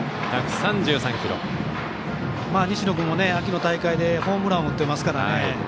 西野君も、秋の大会でホームランを打っていますからね。